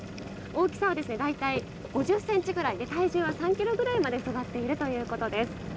大きさはだいたい５０センチぐらいで体重は３キロぐらいまで育っているということです。